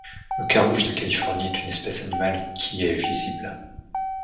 Le Carouge de Californie est une espèce animale qui y est visible.